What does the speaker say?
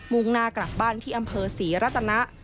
มุงนากลับบ้านที่อำเภอศรีรจนะ